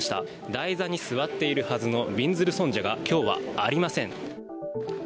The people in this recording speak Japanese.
台座に座っているはずのびんずる尊者が今日はありません。